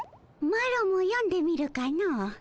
マロもよんでみるかの。